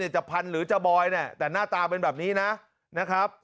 จะพันธุ์หรือจะบอยแต่หน้าตาเป็นแบบนี้นะ